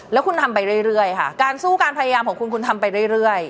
แล้วคุณทำไปเรื่อยค่ะการสู้การพยายามของคุณคุณทำไปเรื่อย